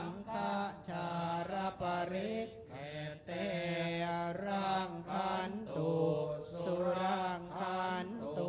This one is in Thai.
สังฆะชารพริเกตติรังคันตุสุรังคันตุ